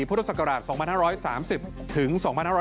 พุทธศักราช๒๕๓๐ถึง๒๕๖๐